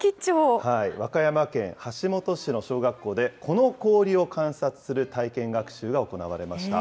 和歌山県橋本市の小学校で、この氷を観察する体験学習が行われました。